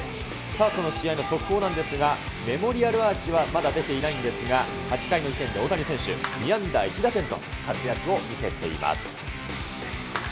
さあ、その試合の速報なんですが、メモリアルアーチはまだ出ていないんですが、８回の時点で大谷選手、２安打１打点と、活躍を見せています。